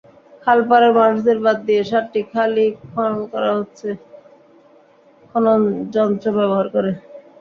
খালপাড়ের মানুষদের বাদ দিয়ে সাতটি খালই খনন করা হচ্ছে খননযন্ত্র ব্যবহার করে।